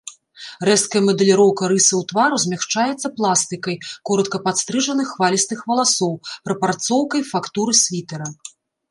Рэзкая мадэліроўка рысаў твару змякчаецца пластыкай коратка падстрыжаных хвалістых валасоў, прапрацоўкай фактуры світэра.